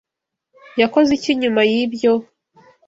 Yakoze iki nyuma yibyo?